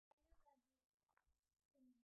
Hapo ulipo twang'aa.